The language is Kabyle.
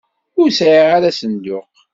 Ur sɛiɣ ara asenduq.